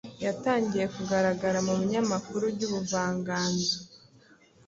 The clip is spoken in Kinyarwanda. yatangiye kugaragara mubinyamakuru byubuvanganzo